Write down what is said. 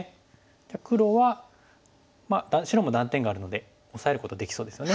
じゃあ黒は白も断点があるのでオサえることできそうですよね。